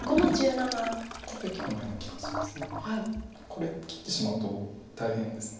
これ切ってしまうと大変です。